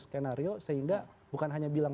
skenario sehingga bukan hanya bilang